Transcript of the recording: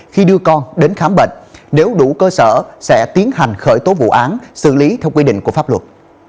khi đưa con đến khám bệnh nếu đủ cơ sở sẽ tiến hành khởi tố vụ án xử lý theo quy định của pháp luật